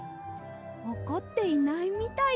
おこっていないみたいですね。